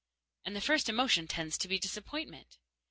And the first emotion tends to be disappointment.